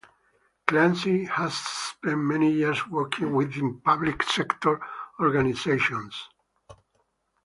Clancy has spent many years working within public sector organisations.